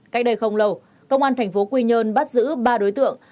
cách đây không lâu công an thành phố quy nhơn bắt giữ ba đối tượng